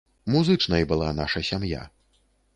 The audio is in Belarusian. Музычнай была наша сям'я.